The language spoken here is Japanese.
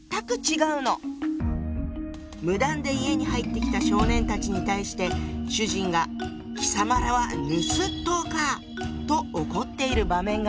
無断で家に入ってきた少年たちに対して主人が「貴様等はぬすっとうか」と怒っている場面があるわ。